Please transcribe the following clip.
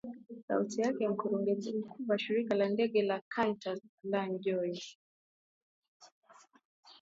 sauti yake mkurugenzi mkuu wa shirika la ndege la kantas alan joyce